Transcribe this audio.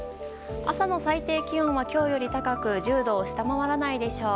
朝の最低気温は今日より高く１０度を下回らないでしょう。